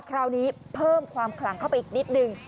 คราวนี้เพิ่มความขลังเข้าไปอีกนิดนึง